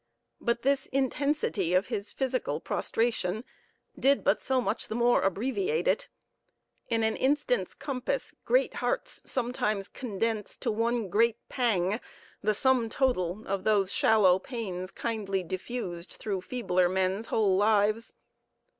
But this intensity of his physical prostration did but so much the more abbreviate it. In an instant's compass great hearts sometimes condense to one great pang, the sum total of those shallow pains kindly diffused through feebler men's whole lives.